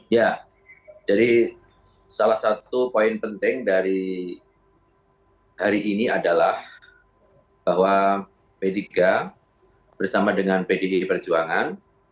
ya jadi salah satu poin penting dari hari ini adalah bahwa p tiga bersama dengan pdi perjuangan